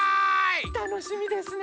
たのしみですね。